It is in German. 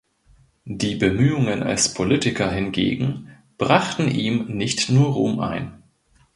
Die Bemühungen als Politiker hingegen brachten ihm nicht nur Ruhm ein.